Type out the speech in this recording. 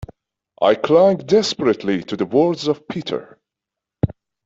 I clung desperately to the words of Peter.